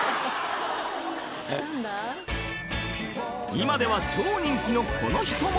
［今では超人気のこの人も！］